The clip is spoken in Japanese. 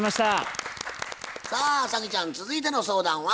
さあ早希ちゃん続いての相談は？